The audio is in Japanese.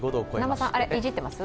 南波さん、あれっ、いじってます？